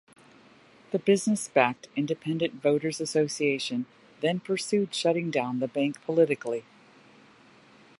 The business-backed Independent Voters Association then pursued shutting down the bank politically.